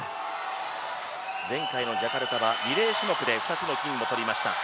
前回のジャカルタはリレー種目で２つの金をとりました